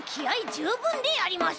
じゅうぶんであります！